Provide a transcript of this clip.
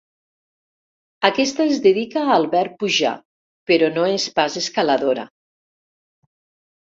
Aquesta es dedica al verb pujar, però no és pas escaladora.